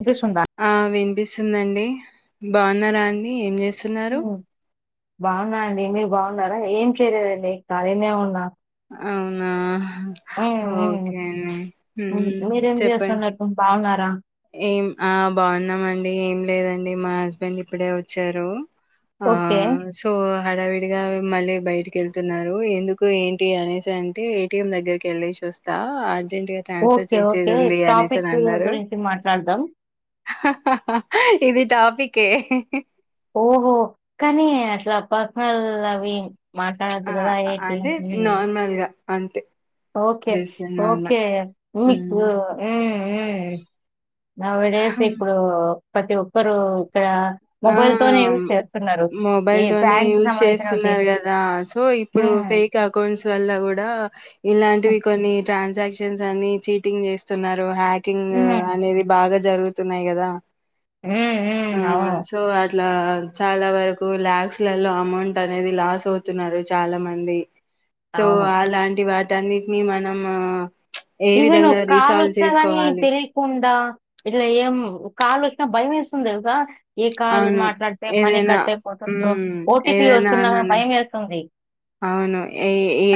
వినిపిస్తుందా ఆ వినిపిస్ స్తుందండి బాగున్నారా అండి ఏం చేస్తున్నారు ఉమ్ బాగున్నా అండి మీరు బాగున్నారా ఏం చేయలేదండి కాలినే ఉన్నా అవునా ఉమ్ ఉమ్ ఓకే అండి మ్మ్ చెప్పండి రా ఏం ఆ బాగున్నామండి ఏం లేదండి మా హస్బెండ్ ఇప్పుడే వచ్చారు ఆ ఓకే సో హడావిడిగా మళ్ళీ బయటకి వెళ్తున్నారు ఎందుకు ఏంటి అనేసి అంటే ఏ టి ఎం దగ్గరకి వెళ్ళేసి వస్తా అర్జెంట్ గా ట్రాన్స్ఫర్ ఓకే చేసేది ఓకే ఉంది అనేసి అని టాపికు అన్నారు గురించి మాట్లాడ్ కలుద్దాం ఇది టాపిక్ ఏ ఓహో కానీ అట్లా [unintelligible] అవి మాట్లాడద్దు ఆ కదా ఏంటి అంటే నార్మల్గా అంతే ఓకే జస్ట్ నార్మల్ ఓకే [unintelligible] హ్మ్మ్ హ్మ్ హ్మ్ నౌవ్ ఏ డేస్ అవును. ఇప్పుడు పతి ఒక్కరు ఇక్కడ ఆ మొబైల్ తోనే యూజ్ చేస్తున్నారు ఏ మొబైల్ తోనే బ్యాంక్ యూజ్ సంబంధించినటి చేస్తున్నారు కదా సో ఇప్పుడు ఉమ్ ఫేక్ అకౌంట్స్ వల్ల కూడా ఇలాంటివి కొన్ని ట్రాన్సాక్షన్స్ అన్నీ చీటింగ్ చేస్తున్నారు హ్యాక్ థింగ్ ఉమ్ అనేది బాగా జరుగుతున్నాయి కదా ఉ ఆ ఉ అవును సో అట్లా చాలా వరకు ల్యాక్స్ లలో అమౌంట్ అనేది లాస్ అవుతున్నారు చాలా మంది సో అవును. ఆలాంటి వా దానికి మనము ఈవెన్ ఒక కాలు వస్తా ని తెలియకుండా ఇట్లా ఏం కాళ్లు వచ్చినా భయం వేస్తుంది తెలుస ఏ కాల్ అవును మాట్లాడితే మనీ ఏదైనా కట్టేపోతుందో ఉమ్ ఓటీపీ ఏదైనా వస్తున్న అనున్నాం భయం వేస్తుంది అవును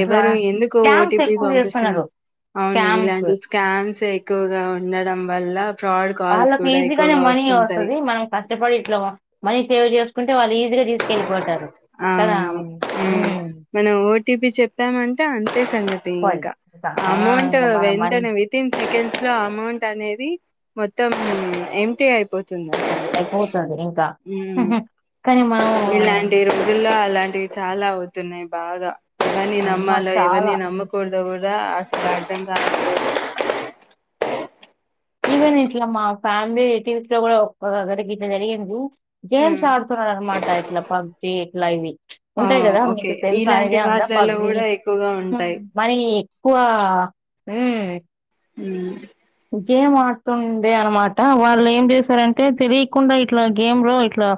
ఎవరు ఎందుకు స్కామ్స్ ఓటీపీ ఎక్కువ చేస్తున్నారు. పంపిస్తున్నారు అవును స్కామ్స్. ఇలాంటి స్కామ్స్ ఎక్కువగా ఉండడం వల్ల అ [unintelligible] వాళ్ళకి ఈజీగానే మనీ వస్తుంది మనం కష్టపడి ఇట్లా మనీ సేవ్ చేస్తు ంటే వాళ్ళు ఈజీగా తీసుకెళ్లిపోతున్నారు అవును ఉ మన - - టీపి చెప్పామంటే అంతే సంగతి ఎక్కువ ఇంకా ఆ! అమౌంట్ ఇంక మన మనీ వెంటనే వితిన్ సెకండ్స్ లో అమౌంట్ అనేది మొత్తం ఏంమ్టి అయిపోత అయిపోతుంది ఇంకా హ్మ్. కానీ మనం ఇదుల్లో అలాంటివి చాలా అవుతున్నాయి బాగా ఎవన్నీ అమ్మ నమ్మాలో ఎవన్నీ చాలా నమ్మకూడదో కూడా అసలు అర్డంగా [unintelligible] ఈవెన్ ఇట్లా మా ఫ్యామిలీటీవ లో కూడా ఒ కడికి ఇలా జరిగింది గేమ్స్ హ్మ్. ఆడుతున్న అనమాట ఇట్లా పబ్జి ఇట్లా ఇవి ఆ ఉంటాయి కదా ఓకే మీకు సెల్ఫ్ ఇలాంటి ఐడియా అందా వాటిలలో పబ్జి కూడా ఎక్కువగా ఉంటాయి మరి ఎక్కువ హూ ఉ గేమ్ ఆడుతుండే అనమాట వాళ్ళు ఏం చేశారంటే తెలియకుండా ఇట్లా గేమ్ లో ఇట్లా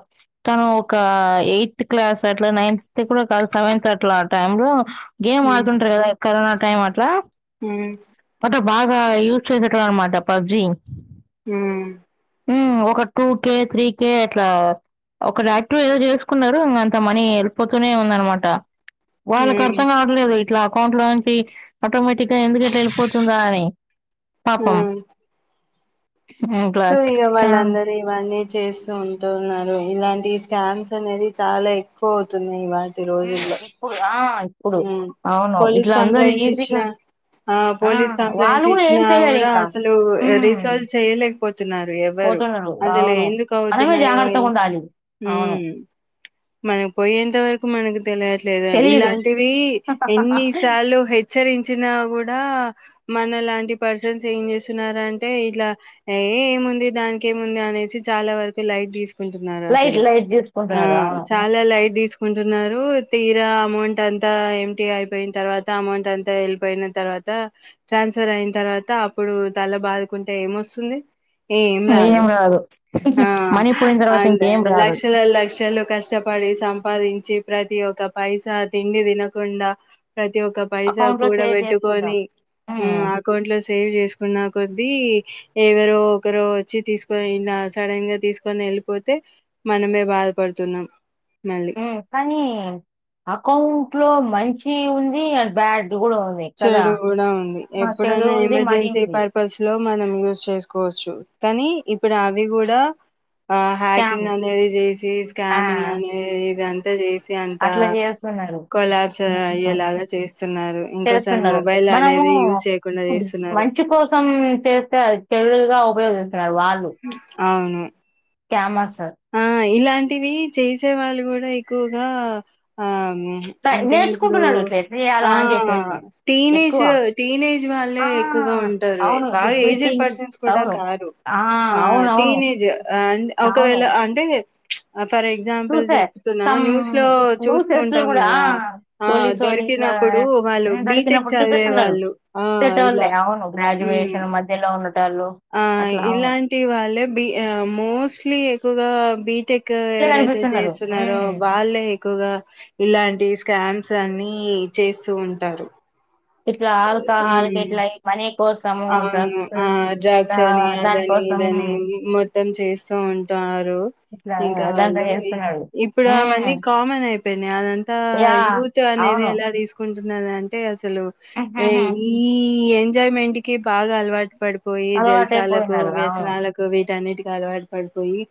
తను ఒక ఎయిత్ క్లాస్ అట్లా నైన్త్ కూడా కాదు సెవెన్త్ అట్లా ఆ టై లో గేమ్ హ్మ్ ఆడుతుంటారు కదా కరోనా కాయ మట్లా హ్మ్ పద బాగా యూజ్ ట్ అనమాట పబ్జీ [unintelligible] హ్మ్ ఒక టూ కే త్రీ కే అట్లా ఒక డాయాక్టవ్ ఏదో చేసుకున్నారు ఇంకా అంత మనీ హళ్ిపోతూనే ఉంద అనమాట వాళ్ళకి హ్మ్ అర్థం కావట్లేదు ఇట్లా అకౌంట్ లో నుంచి ఆటోమేటిక్ గా ఎందుకంటలా వెళ్ళిపోతుందా అని పాపం హ్మ్. ఉ బ్ాక్లా సో ఇగ వాళ్ళందరూ ఇవన్నీ చేస్తూ ఉంటు ఉన్నారు ఇలాంటి స్కామ్స్ అనేది చాలా ఎక్కువ అవుతున్నాయి ఇవా ఈ హ్మ్. రోజుల్లో ఇప్పుడు ఆ! ఇప్పుడు. అవును. పోలీస్ ఇట్లా అందరూ కంప్లైంట్స్ ఇచ్చిన ఈజీగా ఆ! పోలీస్ వాళ్ళు కంప్లైంట్స్ గూడా ఏం ఇచ్చినా కూడా చేయలేరింకా. అసలు హ్మ్. రీసాల్వ్ చేయలే, పోతున్నారు ఎవరు పోతున్నారు. అసలు అవును. ఎందుకు మనమే అవుతున్నాయో జాగ్రత్తగుండాలి. అవును. మ్మ్ మనకు పోయేంత వరకు మనకు తెలియట్లేదు తెలీదు. ఇలాంటివి ఎన్ని సార్లు హెచ్చరించినా కూడా మన లాంటి పర్సన్స్ ఏం చేస్తున్నార అంటే ఇట్లా ఏయ్ ఏముంది దానికేముంది అనేసి చాలా వరకు లైట్ తీస్ కుంటున్నారు లైట్ అసలు లైట్ ఆ దీసుకుంటున్నారు. చాలా అవును. లైట్ తీసుకున్ టున్నారు తీరా అమౌంట్ అంతా ఎమ్టీ అయిపోయిన తర్వాత అమౌంట్ అంతా వెళ్ళిపోయిన తర్వాత ట్రాన్స్ఫర్ అయిన తర్వాత అప్పుడు తల బాదుకుంటే ఏమొస్తుంది. ఏం రాదు ఆ మనీ పోయిన తర్వాత అంతే ఇంకేం రాదు లక్షల లక్షలు కష్టపడి సంపాదించి ప్రతి ఒక్క పైసా తిండి తినకుండా ప్రతి ఒక్క పైసా అకౌంట్ లో కూడ సేవ్ చేసుకుంటాం బెట్టుకొని మ్మ్ ఉమ్, ఆ అకౌంట్ లో సేవ్ చేసుకున్న కొద్ది ఎవరో ఒకరో వచ్చి తీసుకొని ఇలా సడన్ గా తీసుకొని వెళ్ళిపోతే మనమే బాధపడుతున్నాం. మళ్ళీ మ్మ్ కానీ అకౌంట్ లో మంచి ఉంది అ బ్యాడ్ కూడా ఉంది కదా చెడు కూడా ఉంది ఆ, చెడు ఎప్పుడైనా ఉంది మడి ఎమర్జెన్సీ ఉంది పర్పస్ లో మనం యూజ్ చేసుకోవచ్చు కానీ ఇప్పుడు అవి గూడ ఆ స్కామ్ హ్యాకింగ్ అనేది చేసి ఆ, స్కామింగ్ అనేది ఇదంతా చేసి అంత అట్లా చేస్తున్నారు కొలాబ్స్ అయ్యేలాగా చేస్తున్నారు ఇంకో స్తున్నారు మనము చేస్తున్నారు మంచి కోసం చేస్తే అది ఎల్ ల గా అవుతాది అవును క్యామ ఆ ఇలా ఇలాంటివి చేసే వాళ్ళు కూడా ఎక్కువగా ఆ అంటే ఇప్పుడు నేర్చుకుంటున్నారు ఇట్లా ఎట్లా ఆ చేయాలా అని చెప్పేసి టీనేజ్ ఎక్కువ టీనేజ్ ఆ! వాళ్ళే ఎక్కువగా ఉంటారు. అవును. బాగా బుక్ ఏజెడ్ బీటింగ్ పర్సన్స్ కూడా అవును. కారు ఆ టీనేజ్ ఆ అం ఒకవే అవును. అవును టే ప్చ్ ఫర్ ఎగ్జాంపుల్ చూసా. చెప్తున్నా సమ్ న్యూస్ లో చూస్తూ న్యూసెస్‌లో ఉంటాం గూడా ఆ! కదా, ఆ పోలీసోళ్ళు ఇట్లా దొరికినప్పుడు వాళ్ళు హ్మ్. బీటెక్ దొరికినప్పుడు చదివే చూపిస్తున్నారు. వాళ్ళు ఆ చేసేటోళ్ళే. ఇలా అవును. ఉమ్, గ్రాడ్యుయేషన్ మధ్యలో ఉన్నటోళ్ళు ఆ అట్లా అవును. ఇలాంటి వాళ్ళే బి మోస్ట్లీ ఎక్కుగా బీటెకు క్ ఇట్లే ఎవరైతే కనిపిస్తున్నారు. చేస్తున్నారో హ్మ్. వాళ్ళే ఎక్కువగా ఇలాంటి స్ క్యాంప్స్ అన్ని చేస్తూ ఉంటారు ఎట్లా హల్కా హల్ హ్మ్ కేట్లాయి పని అవును ఆ డ్రగ్స్ అని అదని దానికోసం ఇదని మో తం చేస్త ఉంటారు రూ ఇట్లా ఇంకా దందా వాళ్ళు చేస్తున్నాడు. ఇప్పుడు అవన్నీ హ్మ్. కామన్ అయిపోయినాయి అదంతా యాహ్! యూత్ అనేది అవును. ఎలా తీసుకుం ఉన్నదంటే అస్ అసలు హుహుహు. ఈ ఈ ఎంజాయ్మెంట్ కి బాగా అలవాటు పడిపోయి జల్సాలకు అలవాటైపోయినారు. అవును. వ్యసనాలకు వి టన్నిటికి అలవాటు పడిపోయి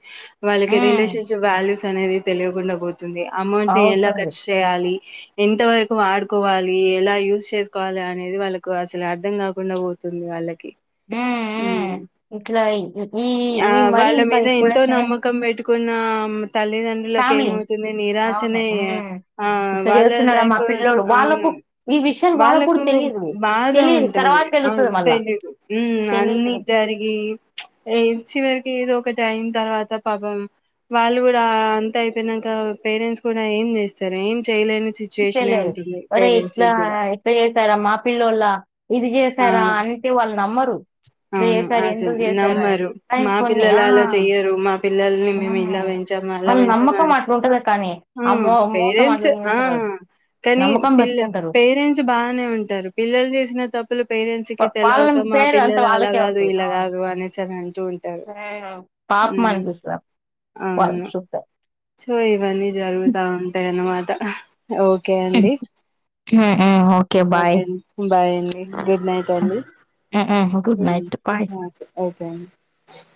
వాళ్ళకి హ్మ్. రిలేషన్షిప్ వాల్యూస్ అనేది తెలియకుండా పో తుంది అమౌంట్ ని ఎలా అవుతుంది. ఖర్చు చేయాలి ఎంత వరకు వాడుకోవాలి ఎలా యూజ్ చేసుకోవాలి అనేది వాళ్ళకు అసలు అర్థం కాకుండా పో తుంది వాళ్ళకి ఉమ్ ఉమ్ ఇట్లా ఈ ఆ ఇవి మరి ఇంకా ఎక్కువంటే కున్నా తల్లిదండ్రులకు ఏమవుతుంది అవును. నిరాశనే హ్మ్. ఆ ఇట్లా వాళ్ళ చేస్తున్నాడా మా లైఫ్ పిల్లోడు. అవును వాళ్ళకు ఈ విషయాలు కూడా వాళ్ళకు తెలీదు. బాధ తెలీదు. ఉంటది తర్వాత తెలుస్తది మళ్ళా. తెలీదు ఉమ్ అన్ని తెలీదు. జరిగి ఏం చివరకి ఏదో ఒకటి అయిన తర్వాత పాపం వాళ్ళు కూడా అంత అయిపోయినాక పేరెంట్స్ కూడా ఏం చేస్తారు ఏం చేయలేని ఏం సిచ్యువేషనే చెయ్యలేరు ఉంటుంది ఓరే పేరెంట్స్ ఇట్లా కూడా ఇట్లా చేసారా మా పిల్లోలా ఇది చేశారా అవును అంటే వాళ్ళు నమ్మరు ఇట్లా అవును చేశారు, అసలు ఎందుకు చేశారని. నమ్మరు కానీ మా కొన్ని పిల్లలు ఆ! అలా చెయ్యరు మా పిల్లల్ని మేము ఇలా హ్మ్. పెంచామా అలా వాళ్ళ పెంచామా నమ్మకం అంటే అట్లుంటది కానీ. ఉ ఆ మో మోసం పేరెంట్స్ అట్లా ఆ చేస్తారు వాళ్ళు. కానీ నమ్మకం పిల్ల పెట్టుకుంటారు. పేరెంట్స్ బాగానే ఉంటారు పిల్లలు చేసిన తప్పులు పేరెంట్స్ కి వాళ్ళ తెలవక మా పేరు అంతా వాళ్ళకే అలాగదు వస్తుంది అవును ఇలాగాదు అనేసి అన్ పాపం అనిపిస్తాది వాళ్లని అవును చూస్తే సో ఇవని జరురుత ఉంటాయి అనమాట ఓకే బాయ్ బాయ్ అండి గుడ్ నైట్ అండి good uh night bye okay ఒకే [unintelligible]